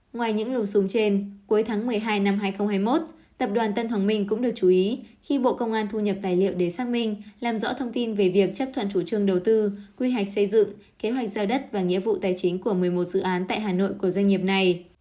ngoài những lùm súng trên cuối tháng một mươi hai năm hai nghìn hai mươi một tập đoàn tân hoàng minh cũng được chú ý khi bộ công an thu nhập tài liệu để xác minh làm rõ thông tin về việc chấp thuận chủ trương đầu tư quy hoạch xây dựng kế hoạch giao đất và nghĩa vụ tài chính của một mươi một dự án tại hà nội của doanh nghiệp này